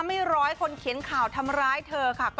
ไม่ร้อยคนเขียนข่าวทำร้ายเธอค่ะ